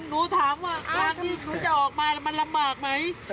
หนูถามว่าทางนี้หนูจะออกมาละมันลำบากมั้ย